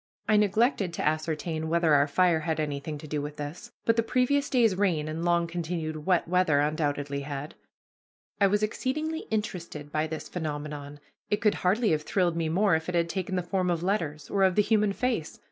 I neglected to ascertain whether our fire had anything to do with this, but the previous day's rain and long continued wet weather undoubtedly had. I was exceedingly interested by this phenomenon. It could hardly have thrilled me more if it had taken the form of letters, or of the human face.